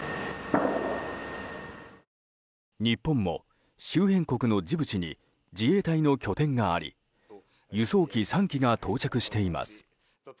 日本も周辺国のジブチに自衛隊の拠点があり輸送機３機が到着しています。